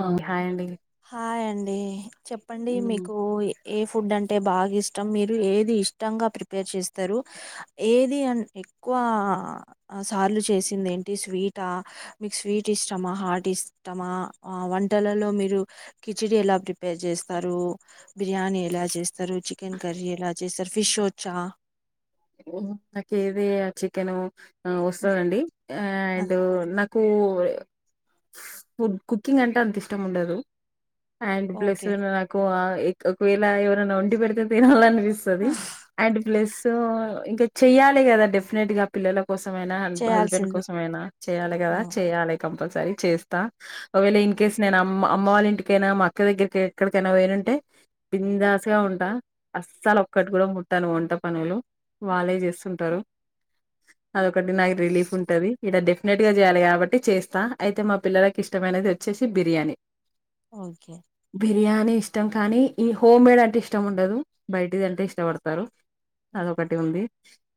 ఆ హాయ్ అండి హాయ్ అండి చెప్పండి మీకు ఏ ఏ ఫుడ్ అంటే బాగా ఇష్టం మీరు ఏది ఇష్టంగా ప్రిపేర్ చేస్తరు? ఏది అన్ ఎక్కువ సార్లు చేసింది ఏంటి స్వీటా? మీకు స్వీట్ ఇష్టమా? హాట్ ఇష్టమా ఆ వంటలలో మీరు? కిచిడీ ఎలా ప్రిపేర్ చేస్తారు? బిర్యానీ ఎలా చేస్తారు? చికెన్ కర్రీ ఎలా చేస్తారు? ఫిష్ వచ్చా? నాకు ఏది ఆ చికెన్ వస్తాదండి అండ్ నాక్ కు ఫ్ కుకింగ్ అంటే అంత ఇష్టం ఉండదు అండ్ ప్లస్ ఓకే నాకు ఇక ఒకవేళ ఎవరైనా ఒండి పెడితే తినాలనిపిస్ స్తది అండ్ ప్లస్ ఇంకా చెయ్యాలి కదా డెఫినెట్ గా పిల్లల కోసమైనా హస్బ్ హస్బెండ్ చేయాల్సిందే కోసమైనా చేయ్యాలి కదా చేయాలి కంపల్సరీ చేస్తా ఒకవేళ ఇన్ కేస్ నేను అమ్ అమ్మ వాళ్ళ ఇంటికైనా మా అక్క దగ్గరికి ఎక్కడికైనా వేయ్నుంటే బిందాస్గా ఉంటా అస్సలు ఒక్కటి కూడా ముట్టను వంట పనులు వాళ్ళే చేస్సుంటారు అదొకటి నాకు రిలీఫ్ ఉంటది ఈడ డెఫ్ న్నట్టుగా చేయాలి కాబట్టి చేస్తా అయితే మా పిల్లలకి ఇష్టమైనది వచ్చేసి బిర్యానీ ఓకే బిర్యానీ ఇష్టం కానీ ఈ హోమ్మేడ్ అంటే ఇష్టం ఉండదు బయటిది అంటే ఇష్టపడతారు ఓకే. ఒకటి ఉంది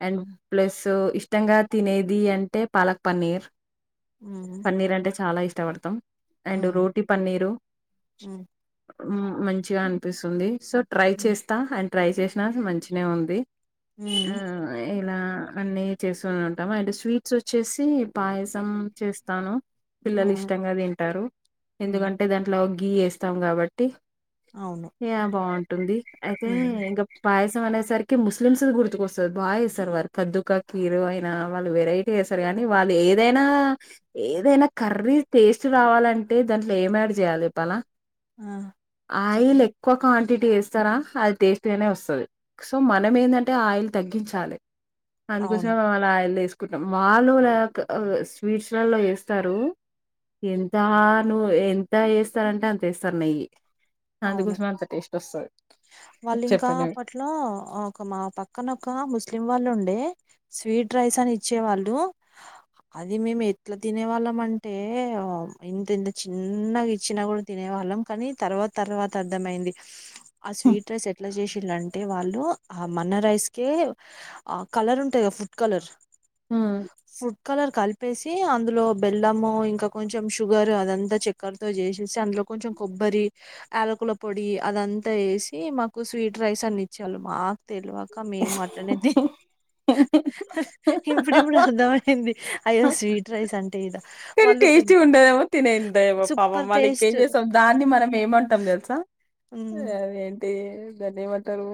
అండ్ ప్లస్ ఇష్టంగా తినేది అంటే పాలక్ పన్నీర్ ఉమ్ పన్నీర్ అంటే చాలా ఇష్టపడతాం అండ్ ఉమ్ రోటీ పన్నీరు ఉమ్ ఉమ్ మంచిగా అనిపిస్తుంది సో ట్రై ఉమ్ చేస్తా అండ్ ట్రై చేసినా మంచినా ఉంది ఆ ఇలా అన్నీ చేస్సు ఉంటాము అండ్ స్వీట్స్ వచ్చేసి పాయసం చేస్తాను పిల్లలు ఉమ్ ఇష్టంగా తింటారు ఉమ్. ఎందుకంటే దాంట్లో గీ వేస్తాం కాబట్టి అవును ఇగ బాగుంటుంది అయితే హ్మ్ ఇంకా పాయసం అనేసరికి ముస్ ఫిలిమ్స్ గుర్తుకొస్తా బా వేస్తారు కద్దుక కీరో అయినా వాళ్ళు వెరటీ వేస్తారు కాని వాళ్ళు ఏదైనా ఏదైనా కర్రీ టేస్ట్ రావాలంటే దాంట్లో ఏం యాడ్ చేయాల్ చెప్పనా? ఆ ఆయిల్ చెప్పండి ఎక్కువ క్వాంటిటీ వేస్తారా అది టేస్ట్గానే వస్తది సో మ మనమేందంటే ఆయిల్ తగ్గించాలి అందుకోసమే అవును మా వాల్ అలా ఆయిల్లో వేసుకుంటాం వాళ్ళు లైక్ స్వీట్స్ లలో వేస్తారు ఎంత నువ్వు ఎంత ఏస్తారంటే అంత ఎస్తారు నెయ్యి అవును అందుకోసమే అంత టేస్ట్ వస్తాది చెప్పండి మీర్ అట్లా ఒక మా పక్కన ఒక ముస్లిం వాళ్ళు ఉండే స్వీట్ రైస్ అని ఇచ్చేవాళ్ళు అది మేము ఎట్ల తినే వాళ్ళం అంటే ఇంత ఇంత చిన్నగా ఇచ్చినా కూడా తినే వాళ్ళం కానీ తర్వాత తర్వాత అర్థమయింది ఆ స్వీట్ రైస్ ఎట్ల చేసిల్లు అంటే వాళ్ళు ఆ మన రైస్కే ఆ కలర్ ఉంటాయి కదా ఫుడ్ కలర్ హ్మ్. ఫుడ్ కలర్ కల్ ప్పేసి అందులో బెల్లము ఇంకా కొంచెం షుగర్ అదంతా చక్కెరతో చేసేసి అందులో కొంచెం కొబ్బరి ఆలకుల పొడి అదంతా ఏసి మాకు స్వీట్ రైస్ అన్ని ఇచ్చే వాళ్ళు మాకు తెల్వ క మేము అట్లనే ది ఇప్పుడుప్పుడు అర్థమయింది అయ్యో స్వీట్ రైస్ అంటే ఇదా సరే వాళ్ళు టేస్టీ పెద్ద ఉండదేమో తినేందేమో పాపం సూపర్ వాళ్ళు ఇంకేం టేస్ట్ చేస్తాం దాన్ని మనం ఏమంటాం తెలుసా ఆ అది ఏంటి దాన్ని ఏమంటారు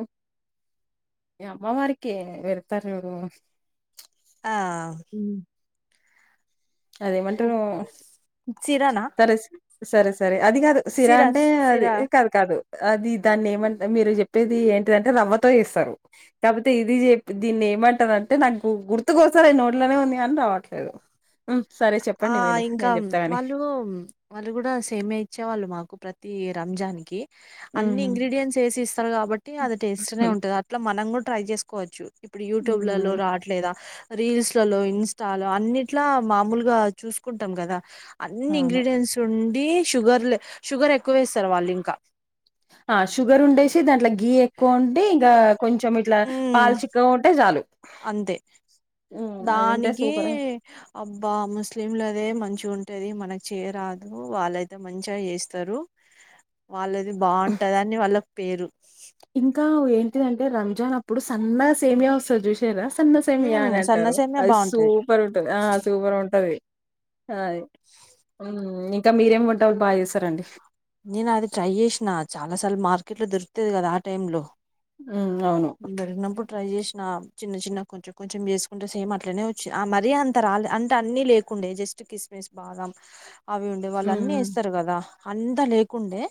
ఏ అమ్మ వారికి పెడ్తరు చూడు ఆ అదే ఏమంటరు సిరానా సరే సరే సరే అది కాదు సిరా సిరాంటే అది సిరా కాదు కాదు అది దాన్ని ఏమంటే మీరు చెప్పేది ఏంటిదంటే రవ్వతో చేస్తారు కాకపోతే ఇది చెప్ దీన్ని ఏమంటారంటే నాకు గుర్తు కోస్తాలే నోట్లోనే ఉంది కాని రావట్లేదు హ్మ్. సరే ఆ చెప్పండి మీరు ఇంకా నేను చెప్తాగాని వాళ్ళు వాళ్ళు కూడా సేమ్యా ఇచ్చేవాళ్ళు మాకు ప్రతి రంజానికి అన్ని ఇంగ్రీడియంట్స్ ఏసి ఇస్తారు కాబట్టి అది టేస్ట్నే ఉంటది అట్లా మనం కూడా ట్రై చేసుకోవచ్చు ఇప్పుడు యూట్యూబ్లలో రావట్లేదా రీల్స్ లలో ఇన్స్టాలో అన్నిట్లా మామూల్ రా చూసుకుంటాం కదా అన్ని అవును ఇంగ్రీడియంన్స్ టుండి షుగర్ల్ షుగర్ ఎక్కువ వేస్తారు వాళ్ళు ఇంకా ఆ షుగర్ ఉండేసి దాంట్లో గీ ఎక్కువ ఉంటే ఇంకా కొంచెం ఇట్లా ఉమ్ పాలు చిక్కగా ఉంటే చాలు అంతే హ్మ్. అవి ఉంటే దానికి సూపర్గా అబ్బా ముస్లింలదే మంచిగుంటది మనకి చేయరాదు వాళ్ళయితే మంచిగా చేస్తారు వాళ్ళది బాంటది అని వాళ్ళ పేరు ఇంకా ఏంటిది అంటే రంజాన్ అప్పుడు సన్నగ సేమియా వస్తది జుస్ తేరా సన్నసేమియా ఉమ్ అని సన్న అంటారు సేమియా అది సో బాగుంటది సూపర్ ఉంటది ఆ సూపర్ ఉంటుది అయ్ హ్మ్ ఇంకా మీరేమి వంటలు బా చేస్తారండి నేను అది ట్రై చేసిన చాలా సార్లు మార్కెట్ లో దొరుకుతది కదా ఆ టైమ్ లో హ్మ్ అవును దొరికినప్పుడు ట్రై చేసిన చిన్న చిన్న కొంచెం కొంచెం చేస్కుంట సేమ్ అట్లనే వచ్చ ఆ మరీ అంత తా రాలె అంటే అన్ని లేకుండే జస్ట్ కిస్మిస్ బాదం అవి ఉండే వాళ్ళు అన్ని హ్మ్. వేస్తారు కదా అంతా లేకుండే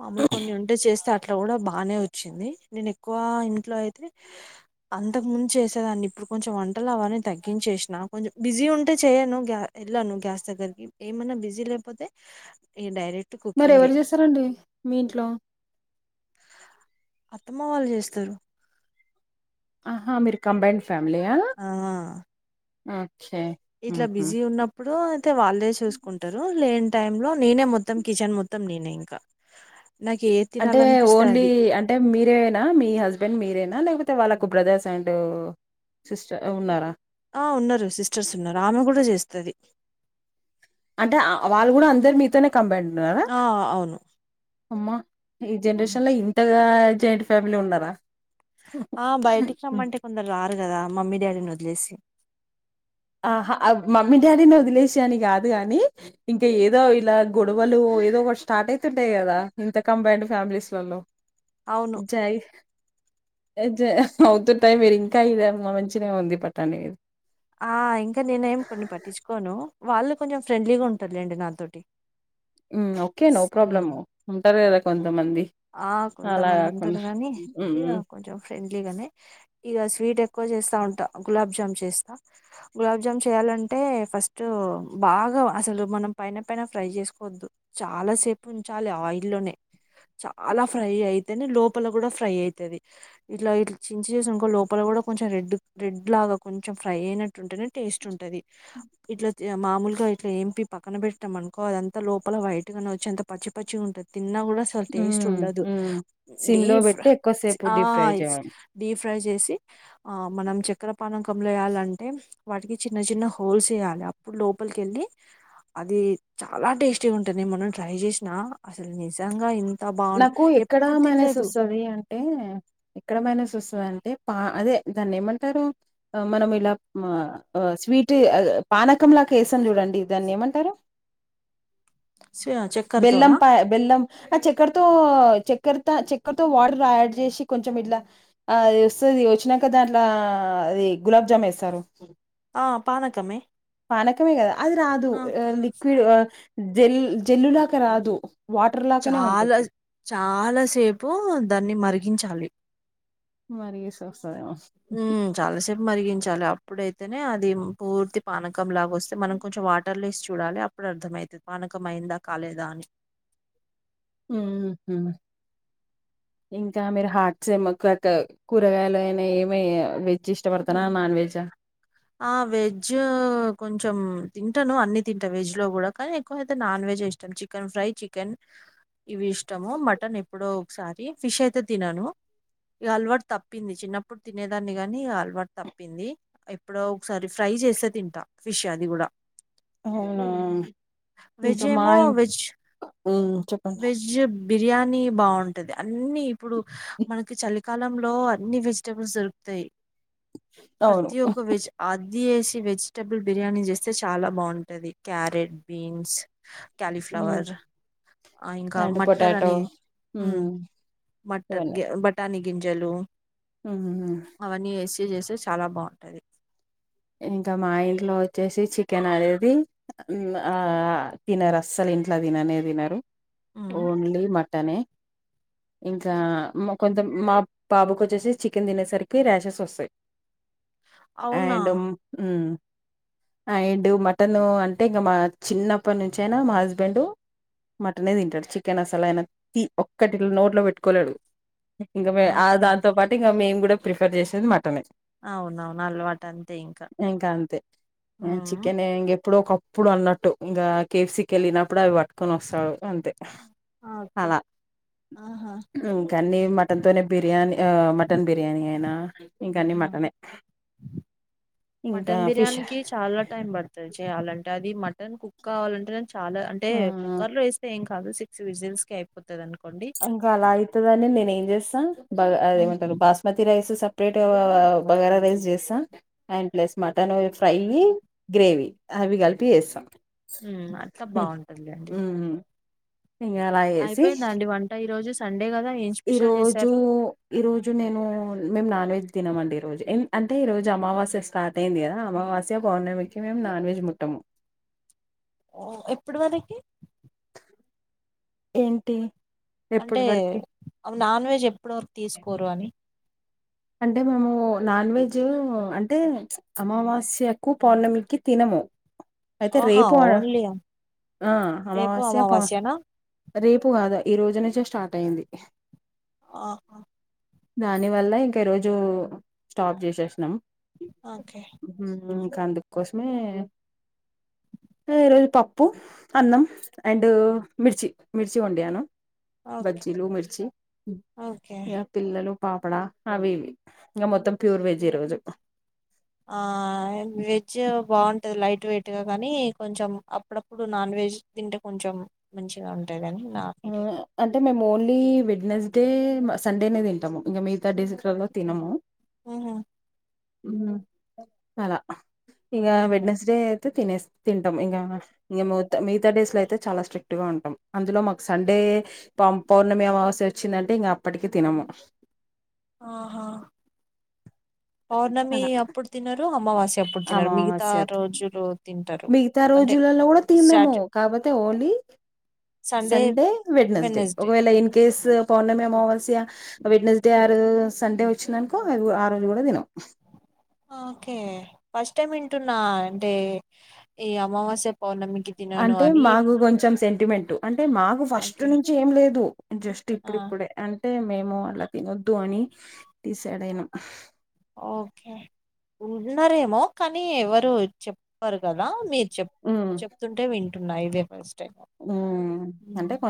మామూలు కొన్ని ఉంటే చేస్తార్ అట్లా కూడా బానే వచ్చింది నేను ఎక్కువ ఇంట్లో అయితే అంతకు ముందు చేసేదాన్ని ఇప్పుడు కొంచెం వంటలు అవన్నీ తగ్గించేసినా కొంచెం బిజీ ఉంటే చెయ్యను గ్య ఎళ్లా ను్ గ్యాస్ దగ్గరకి ఏమన్నా బిజీ లేకపోతే ఈ డైరెక్ట్. మరి ఎవరు కుకింగే చేస్తారండి మీ ఇంట్లో. అత్తమ్మ వాళ్ళు చేస్తారు ఆహా మీరు కంబైండ్ ఫ్యామిలీయా ఆ ఓకే. ఇట్లా హుహు. బిజీ ఉన్నప్పుడు అయితే వాళ్ళే చూసుకుంట. లేని టైంలో నేనే మొత్తం కిచెన్ మొత్తం నేనే ఇంకా నాకేద్. అంటే ఓన్లీ అంట. అంటే మీరేైనా మీ హస్బెండ్ మీరేనా లేకపోతే వాళ్ళకు బ్రదర్స్ అండ్. సిస్టర్ ఉన్నారా. ఆ ఉన్నారు సిస్టర్స్ ఉన్నారు ఆమె కూడా చేస్తది. అంటే వాళ్ళు కూడా అందరు మీతోనే కంబైన్డ్ ఉన్నారా ఆ అవును అమ్మా. ఈ హ్మ్. జనరేషన్ లో ఇంతగా జాయింట్ ఫ్యామిలీ ఉన్నారా. ఆ బయటికి రమ్మంటే కొందరు రారు కదా మమ్మీ డాడీని వదిలేసి. ఆహా ఆ మమ్మీ డాడీని వదిలేసి అని కాదు కాగాని. ఇంకా ఏదో ఇలా గొడవలు ఏదో ఒక స్టార్ట్ అయితుంటాయి కదా ఇంత కంబైండ్ ఫ్యామిలీస్లలో. అవును జయి. జయం అవుతుంటాయి మీరు ఇంకా ఇదమ్మా మంచినే ఉంది పట్టండి ఇది. ఆ ఇంకా నేనే ఏం కొన్ని పట్టించుకోను వాళ్ళు కొంచెం ఫ్రెండ్లీగా ఉంటారు లెండి నాతోటి. మ్ ఓకే నో ప్రాబ్లమ్ హ్మ్. ఉంటారు కదా కొంతమంది. ఆ అలా కొంతమంది ఉంటారు కాకుండా గానీ ఉమ్ ఇగా కొంచెం. ఫ్రెండ్లీ గానే ఇగ స్వీట్ ఎక్కువ చేస్తా ఉంటా గులాబ్ జామ్ చేస్తా. గులాబ్జామ్ చేయాలంటే ఫస్ట్ బాగా అసలు మనం పైన పైన ఫ్రై చేసుకోవద్దు. చాలా సేపు ఉంచాలి ఆయిల్లోనే. చాలా ఫ్రై అయితేనే లోపల కూడా ఫ్రై అయితది. ఇట్లా ఇట్ల చించి చేసి ఇంక లోపల కూడా కొంచెం రెడ్ రెడ్ లాగా కొంచెం ఫ్రై అయినట్టు. టుంటేనే టేస్ట్ ఉంటది. ఇట్లా మామూలుగా ఇట్లా ఏం పక్కన పెట్టాం అనుకో అదంతా లోపల వైట్ నే వచ్చి అంత. పచ్చి పచ్చిగుంటది తిన్నా కూడా సరిపో టేస్ట్ ఉమ్ ఉండదు ఉమ్ సిమ్ లో డీప్ ఫ్రై పెట్టి ఎక్కువసేపు ఆ డీప్ ఫ్రై చేయండి డీప్ ఫ్రై చేసి. ఆ మనం చక్కెరపానకంలో వెయాలంటే. వాటికి చిన్న చిన్న హోల్స్ వేయాలి అప్పుడు లోపలికెళ్లి. అది చాలా టేస్టీగా ఉంటుంది మొన్న ట్రై చేసినా అసలు నిజంగా ఇం. నాకు ఎక్కడ మైనస్ వస్తది అంటే. ఎక్కడ మైనస్ వస్తుందంటే పా అదే దాన్ని ఏమంటారు ఆ మనం ఇలా అ. ఒ స్వీట్ పానకంలాక వేస్తాం చూడండి దాన్ని ఏమంటారు. బెల్లం చక్కరతోనా పా బెల్లం అ చెే. చెక్కర్తో చక్కెరతో చక్కతో వాటర్ యాడ్ చేసి కొంచెం ఇట్ల. ఆ అది వస్తది వచ్చినాక దాంట్లో అది గులాబ్ జామ్ వేస్తారు. ఆ పానకమే. పానకమే కదా అది రాదు ఆ లిక్విడ్ అ జల్ జల్లులాగ రాదు. వాటర్ లాగానే చాలా ఉంటది చాలా సేపు దాన్ని మరిగించాలి. మరిగిస్తే వస్తదేమో. హ్మ్ చాలాసేపు మరిగించాల అప్పుడైతేనే అది పూర్తి. పానకం లాగా వస్తే మనం కొంచెం వాటర్లు వేసి చూడాలి అప్పుడు అర్థమవుతంది పానకం అయిందా కాలేదా అని. ఇంకా మీరు హార్ట్ సేమకత్. కూరగాయలు అయినా ఏమి వెజ్ ఇష్టపడతన్నా నాన్ వెజ్ అ ఆ వెజ్ కొంచెం తింటను అన్ని తింటా వెజ్ లో కూడా కానీ ఎక్కువ అయితే నాన్ వెజ్ ఇష్టం చిక్ న్ ఫ్రై చికెన్ ఇవి ఇష్టము మటన్ ఎప్పుడో ఒకసారి ఫిష్ అయితే తినను ఇక అలవాటు తప్పింది చిన్నప్పుడు తినేదాన్ని గాని అలవాటు తప్పింది ఎప్పుడొ ఒకసారి ఫ్రై చేస్తే తింటా ఫిష్ అది కూడా అవునా వెజ్ ఇంకా మా ఏమో ఇం వెజ్ మ్మ్ చెప్పండి వెజ్ బిర్యానీ బాగుంటది అన్ని ఇప్పుడు మనకి చలి కాలంలో అన్ని వెజిటెబుల్స్ దొరుకుతాయి అవును ప్రతి ఒ వెజ్ అది వేసి వెజిటెబుల్ బిర్యానీ చేస్తే చాలా బాగుంటది క్యారెట్ బీన్స్ కాలిఫ్లావర్ ఆ ఇంకా అండ్ మట్టర్ పొటాటో అనీ మ్ మ్మ్ మట్టర్ గ బట్ టానీ గింజలు ఉమ్ అవన్నీ వేసి చేస్తే చాలా బాగుంటది ఇంకా మా ఇంట్లో వచ్చేసి చికెన్ అనేది ఆ తినరు అస్సలు ఇంట్ల తిననే తినరు ఉమ్ ఓన్లీ మట్ టనే ఇంకా కొంత మా బాబుకు వచ్చేసి చికెన్ తినేసరికి రషెస్ వస్తాయి అవునా ఉమ్మ్ అండ్ మటన్ అంటే ఇంకా మా చిన్నప్పటి నుంచయినా మా హస్బెండ్ మటనే తింటాడు చికెన్ అస్సలు ఆయన ఒక్కటి నోట్లో పెట్టుకోలేడు ఇంకా మే ఆ ఓకే దాంతో పాటు ఇంక మేము కూడా ప్రిఫర్ చేసేది మటనే అవునవును అల్వాటు ఇంక అంతే ఉమ్ చికెన్ ఇంగ ఎప్పుడోకప్పు పుడు అన్నట్టు ఇంకా కేఎఫ్సి కి వేళ్ళినప్పుడు అవి పట్టుకొని వస్తాడు అంతే ఓకే అలా ఆహా ఇంక అన్నీ మ మటన్ తొనే బిర్యానీ మటన్ బిర్యానీ అయినా ఇంక అన్ని ఉమ్. మటనే ఇంకా మటన్ ఫిష్ బిర్యానీకి చాలా టైం పడుత ది చేయాలంటే అది మటన్ కుక్ కావాలంటేనే చాలా అంటే ఆ కుక్కర్ లో వేస్తే ఏంకా కాదు సిక్స్ విజిల్స్ కి అయిపోతది అనుకోండి ఇంక అలా అయితదని నేనేం చేస్తా బగా ఉమ్ అదేమంటారు బాస్ మతి రైస్ సపరైట్ బగారా రైస్ చేస్తా and plus mutton fry gravy అవి కలిపి చేస్తా ఉమ్మ్ అట్ల బాగుంటుంది అండి ఇంగ అయిపోయిందా అండి వంట ఈ రోజు సండే కదా ఏ ఈ రోజు ఈ రోజు నేను మేం నాన్ వెజ్ తినం అండి ఈ రోజు అంటే ఈ రోజు అమావాస్య స్టార్ట్ అయింది కదా అమావాస్య పౌర్ణమికి మేము నాన్ వెజ్ ముట్టము ఓ ఎప్పుడి వరకి ఏంటి అంటే ఎప్పటి వరకి నాన్ వెజ్ ఎప్పుడువరకు తీసుకోరు అని అంటే మేము నాన్ వెజ్ అంటే అమావాస్యకు పౌర్ణమికి తినము అయితే ఆహా రేపు ఓన్లీ ఆ రేపు అమావాస్య పౌ అమావాస్యనా రేపు కాదా ఈ రోజు నుంచే స్టార్ట్ అయింది ఆహా దాని వల్ల ఇంకా ఈ రోజు స్టాప్ చేసేసినాం ఓకే ఉమ్ ఇంక అందుకు కోసమే ఈరోజు పప్పు అన్నం అండ్ మిర్చి మిర్చి వండాను ఓకే బజ్జీలు మిర్చి ఓకే ఇంగ పిల్లలు పాపడా అవి ఇవి ఇంగ మొత్తం ప్యూర్ వెజ్ ఈ రోజు ఆ వెజ్ బాగుంటది లైట్ వెయిట్ గా కానీ కొంచెం అప్పుడప్పు ప్పుడు నాన్ వెజ్ తింటే కొంచెం మంచిగా ఉంటాదని నా ఫీలింగ్ అంటే మేము ఓన్లీ వెడ్నస్డే సండే నే తింటాము ఇంగ మీ గతా రోజులలో తినము ఉహు ఉ అలా ఇగా ఉహు వెడ్నెస్ డే అయితే తినేస్ తింటాం ఇంకా ఇ మిగత డేస్ అయితే చాల స్ట్రిక్ట్ గా ఉంటాం అందులో మా సండే పం పౌర్ణమి అమవస్య వచ్చిందంటే ఇంక అప్పటికి తినము ఆహా పౌర్ణమి అలా అప్పుడు తినరు అమావాస్య ప్పుడు తినరు మిగతా అమావాస్య తి రోజులు తింటారు అంటే సాట్ కాకపోతే ఓన్లీ సండే వెడ్నస్డే వెనస్డే ఒకవేళ ఇన్ కేస్ పౌర్ణమి అమావాస్య వెడ్నస్డే ఆ రోజు సండే వచ్చిందనుకో ఆ రోజు కూడా తినం ఓకే ఫస్ట్ టైమ్ వింటున్నా అంటే ఈ అమావాస్య పౌర్ణమికి తినను అంటే అని మాకు కొంచెం సెంటిమెంట్ అంటే మా ఫస్ట్ ఓకే నుంచి ఏం లేదు జస్ట్ ఆ ఇప్పుడిప్పుడే అ టే మేము అట్లా తినొద్దు అని డిసైడ్ అయినాం ఓకే ఉన్నారేమో కానీ ఎవరు చెప్పరు కదా మీరు చెప్ ఉమ్ చెప్తుంటే వింటున్నా ఇదే ఫస్ట్ టైమ్ ఉ అంటే కొ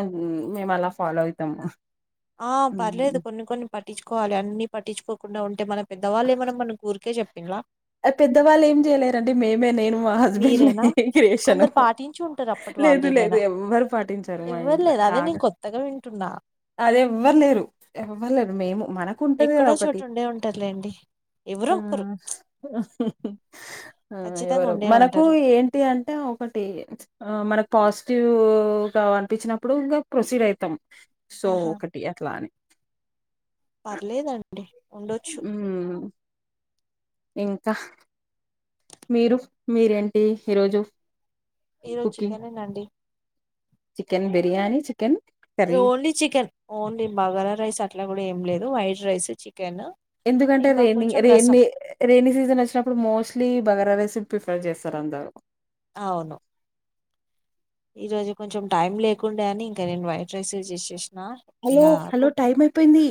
మేము అలా ఫాలో అయతాము ఆ పర్లేదు కొన్ని కొన్ని పట్టించుకోవాలి అన్ని పట్టించుకోకుండా ఉంటే మన పెద్దవాళ్ళు ఏమన్న మనకు ఊరికే చెప్పింలా ఆ పెద్దవాళ్ళు ఏం చేయలేరండి మేమే నేను మా హస్బెండ్ ని మీరేనా క్రియేషను కొందరు పాటించి ఉంటారు అప్పటి వాళ్ళు లేదు లేదు ఏమైనా ఎవరు పాటించ ఎవ్వరు లేద అదే నేను కొత్తగా వింటున్నా అది ఎవ్వరులేరు ఎవ్వరులేరు మేము మన ఎక్కడో చోట ఉండే ఉంటదిలేండి ఎవరు ఒక్కరు ఎవరు ఉండే మనకు ఉంటారు ఏంటి అంటే ఒకటి ఆ మనకు పాజిటివ్గా అనిపించినప్పుడు ఇంగ ప్రొసీడ్ అయితాం సో ఆహా ఒకటి అట్లానే పర్లేదండి ఉండొచ్చు ఊ ఇంకా మీరు మీరేంటి ఈరోజు ఈ రోజు కుకింగ్? చికెన్ ఏ నండి chicken biryani chicken curry only chicken only bagara rice అట్లా కూడా ఏం లేదు వైట్ రైస్ చికెన్ ఎందుకంటే ఇంకా రే కొంచెం రసం రేన్ని రైనీ సీజన్ వచ్చినప్పుడు మోస్ట్లీ బగార రైస్ ప్రిఫర్ చేస్తారు అందరు అవును ఈ రోజు కొంచెం టైం లేకుండడా అని ఇంక నేను వైట్ రైస్ చేసేసిన హలో ఇక హలో టైం అయిపోయింది